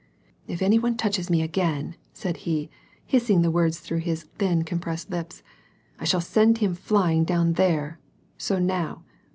" If any one touches me again," said he, hissing the words through his thin compressed lips, "I will send him flying down there ! So now